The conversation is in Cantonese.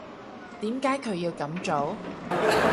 點解佢要噉做？